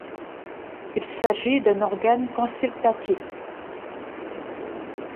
Il s'agit d'un organe consultatif.